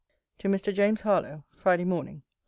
TO MR. JAMES HARLOWE FRIDAY MORNING.